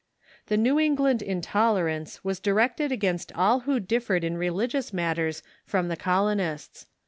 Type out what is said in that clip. The New England intolerance was directed against all who differed in religious matters from the colonists.